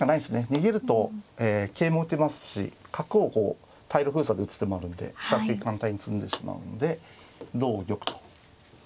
逃げると桂も打てますし角をこう退路封鎖で打つ手もあるんで比較的簡単に詰んでしまうんで同玉と。